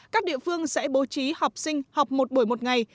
các địa phương sẽ bố trí học sinh học một buổi một ngày